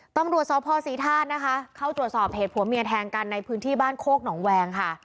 ตำรวจสพศรีธาตุนะคะเข้าตรวจสอบเหตุผัวเมียแทงกันในพื้นที่บ้านโคกหนองแวงค่ะ